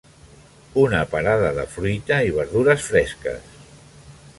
Una parada de fruita i verdures fresques.